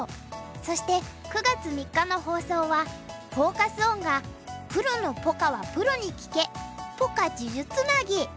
そして９月３日の放送はフォーカス・オンが「プロのポカはプロに聞け！ポカ数珠つなぎ」。